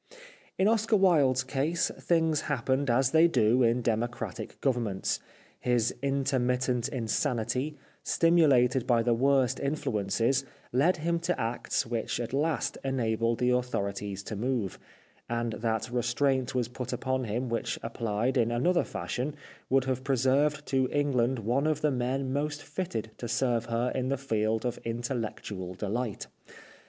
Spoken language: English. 348 The Life of Oscar Wilde In Oscar Wilde's case things happened as they do happen in democratic governments. His intermittent insanity, stimulated by the worst influences, led him to acts which at last enabled the authorities to move ; and that re straint was put upon him which applied in another fashion would have preserved to Eng land one of the men most fitted to serve her in the field of intellectual delight.